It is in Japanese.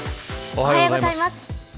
おはようございます。